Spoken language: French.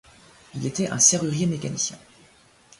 Il était un serrurier-mécanicien.